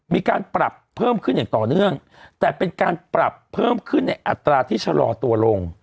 มีการปรับเพิ่มขึ้นอย่างต่อเนื่องแต่เป็นการปรับเพิ่มขึ้นในอัตราที่ชะลอตัวลง